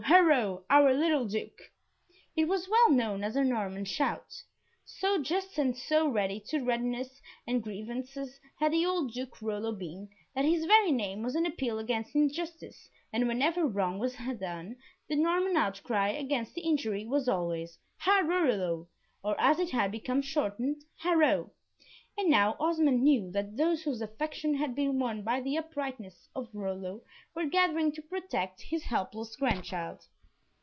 Haro! our little Duke!" It was well known as a Norman shout. So just and so ready to redress all grievances had the old Duke Rollo been, that his very name was an appeal against injustice, and whenever wrong was done, the Norman outcry against the injury was always "Ha Rollo!" or as it had become shortened, "Haro." And now Osmond knew that those whose affection had been won by the uprightness of Rollo, were gathering to protect his helpless grandchild.